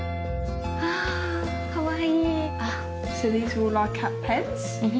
かわいい。